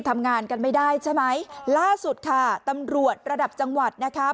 ทำงานกันไม่ได้ใช่ไหมล่าสุดค่ะตำรวจระดับจังหวัดนะคะ